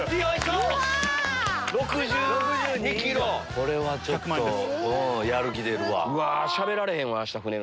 これはちょっとやる気出るわ。